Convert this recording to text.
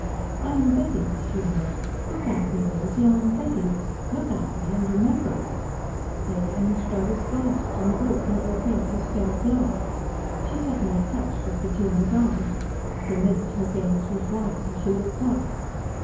"I am Betty," she heard. "Look at me, Rosy! I am Betty. Look at me and remember!" Lady Anstruthers gasped, and broke into a faint, hysteric laugh. She suddenly clutched at Bettina's arm. For a minute her gaze was wild as she looked up.